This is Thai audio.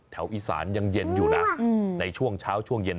แถวอีสานยังเย็นอยู่นะในช่วงเช้าช่วงเย็น